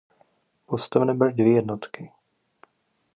Postaveny byly dvě jednotky.